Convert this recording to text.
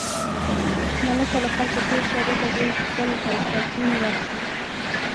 ملکه له خلکو تېر شه، دې ته دې خپل اپین ورکړي.